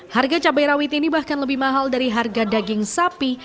harga cabai rawit ini bahkan lebih mahal dari harga daging sapi